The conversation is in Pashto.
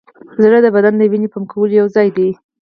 زړه د بدن د وینې پمپ کولو یوځای دی.